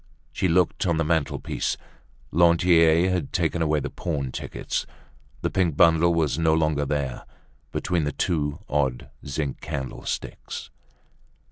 She looked on the mantel piece. Lantier had taken away the pawn tickets; the pink bundle was no longer there, between the two odd zinc candlesticks.